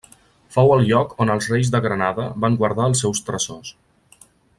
Fou el lloc on els reis de Granada van guardar els seus tresors.